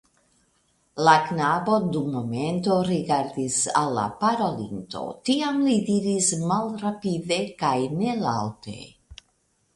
La knabo dum momento rigardis al la parolinto, tiam li diris malrapide kaj nelaŭte.